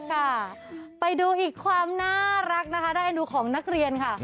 ค่ะไปดูอีกความน่ารักนะคะได้เอ็นดูของนักเรียนค่ะ